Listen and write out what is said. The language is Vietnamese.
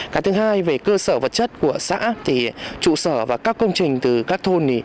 cái thứ hai về cơ sở vật chất của xã thì trụ sở và các công trình từ các thôn